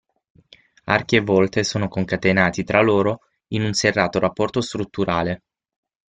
Archi e volte sono concatenati tra loro in un serrato rapporto strutturale.